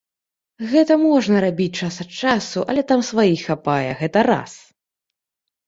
Гэта можна рабіць час ад часу, але там сваіх хапае, гэта раз.